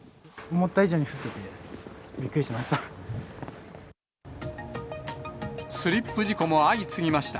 思った以上に降ってて、びっくりしました。